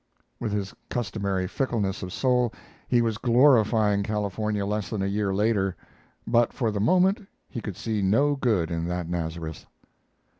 With his customary fickleness of soul, he was glorifying California less than a year later, but for the moment he could see no good in that Nazareth.